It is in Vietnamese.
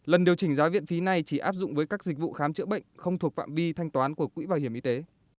lần điều chỉnh giá viện phí này chỉ áp dụng với các dịch vụ khám chữa bệnh không thuộc phạm vi thanh toán của quỹ bảo hiểm y tế